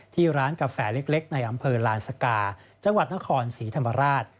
ที่ร้านกาแฟเล็กในอำเภอลานสกาจังหวัดนครศรีธรรมราช